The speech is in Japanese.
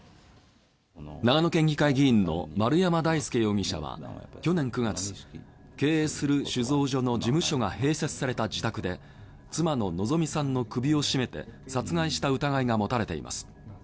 長野県議会議員の丸山大輔容疑者は去年９月経営する酒造所の事務所が併設された自宅で妻の希美さんの首を絞めて殺害した疑いが持たれています。